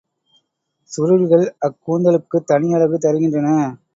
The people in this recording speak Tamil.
சுருள்கள் அக்கூந்தலுக்குத் தனியழகு தருகின்றன.